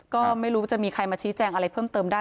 ก็ไม่รู้จะมีใครมาชี้แจงอะไรเพิ่มเติมได้